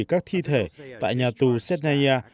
ngoại giao mỹ cho biết các thi thể tại nhà tù setnaiya